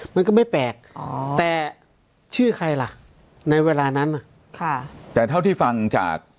มันก็ไม่แปลกอ๋อแต่ชื่อใครล่ะในเวลานั้นค่ะแต่เท่าที่ฟังจาก